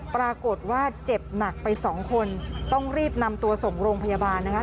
ปรากฏว่าเจ็บหนักไปสองคนต้องรีบนำตัวส่งโรงพยาบาลนะคะ